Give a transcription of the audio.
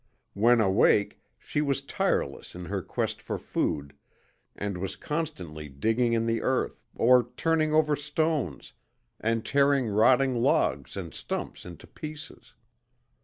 When awake she was tireless in her quest for food, and was constantly digging in the earth, or turning over stones and tearing rotting logs and stumps into pieces.